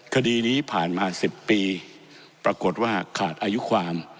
คดีนี้ผ่านมา๑๐ปีปรากฏว่าขาดอายุความ